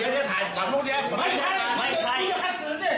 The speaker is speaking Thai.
กลับมาเถอะเชิญเลยครับ